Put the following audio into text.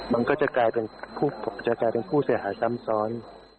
มันก็จะกลายเป็นจะกลายเป็นผู้เสียหายซ้ำซ้อน